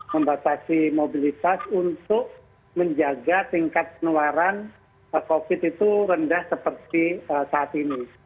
membatasi mobilitas untuk menjaga tingkat penularan covid itu rendah seperti saat ini